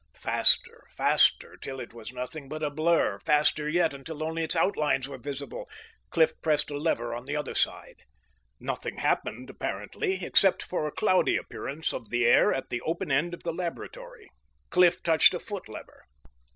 Faster, faster, till it was nothing but a blur. Faster yet, until only its outlines were visible. Cliff pressed a lever on the other side. Nothing happened apparently, except for a cloudy appearance of the air at the open end of the laboratory. Cliff touched a foot lever.